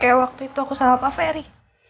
kayak waktu itu aku sama pak ferry